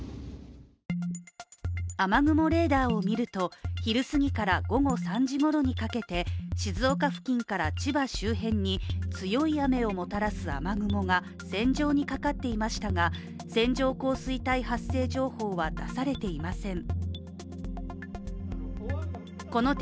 雨雲レーダーを見ると昼すぎから午後３時ごろにかけて静岡付近から千葉周辺に強い雨をもたらす雨雲が線状にかかっていましたが、線状降水帯発生情報は出されていません。